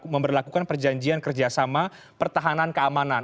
memperlakukan perjanjian kerjasama pertahanan keamanan